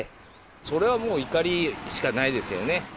それはもう怒りしかないですよね。